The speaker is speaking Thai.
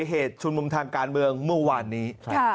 เหตุชุนมุมทางการเมืองเมื่อวานนี้